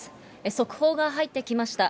速報が入ってきました。